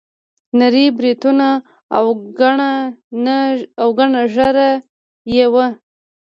نري بریتونه او ګڼه نه ږیره یې وه.